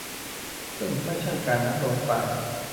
ซึ่งไม่ใช่การอัปโหลดไฟล์